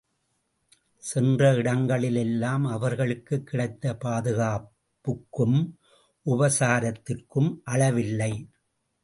சென்ற இடங்களிலெல்லாம் அவர்களுக்குக் கிடைத்த பாதுகாப்புக்கும் உபசாரத்திற்கும் அளவில்லை.